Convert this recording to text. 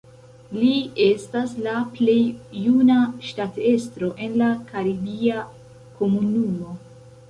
Li estas la plej juna ŝtatestro en la Karibia Komunumo.